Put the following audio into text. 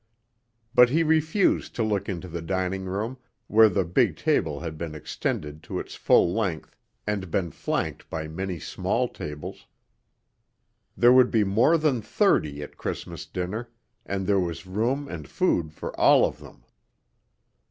But he refused to look into the dining room, where the big table had been extended to its full length and been flanked by many small tables. There would be more than thirty at Christmas dinner, and there was room and food for all of them.